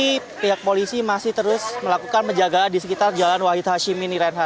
jadi pihak polisi masih terus melakukan penjagaan di sekitar jalan wahid hashim